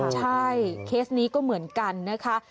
ใช่เคสนี้ก็เหมือนกันนะคะ